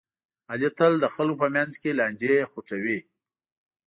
علي تل د خلکو په منځ کې لانجې خوټوي.